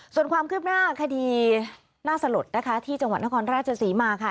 ส่วนความคืบหน้าคดีน่าสลดนะคะที่จังหวัดนครราชศรีมาค่ะ